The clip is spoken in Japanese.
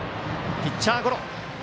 ピッチャーゴロ。